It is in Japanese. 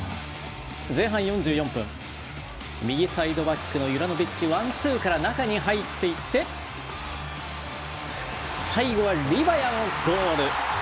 前半４４分右サイドバックのユラノビッチワンツーから中に入っていって最後はリバヤのゴール。